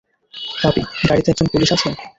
পাপি, গাড়িতে একজন পুলিশ আছে?